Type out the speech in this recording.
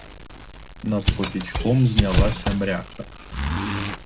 Над потічком знялася мряка.